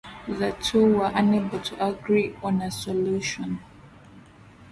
The two were unable to agree on a solution.